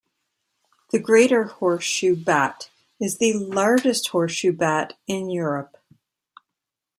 The greater horseshoe bat is the largest horseshoe bat in Europe.